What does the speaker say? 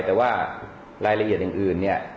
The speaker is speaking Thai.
แต่ว่ารายละเอียดอื่นเนี่ย